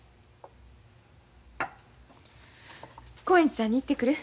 興園寺さんに行ってくる。